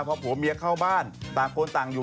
พอผัวเมียเข้าบ้านต่างคนต่างอยู่